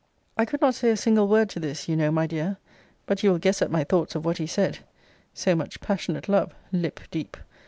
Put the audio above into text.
I could not say a single word to this, you know, my dear. But you will guess at my thoughts of what he said so much passionate love, lip deep!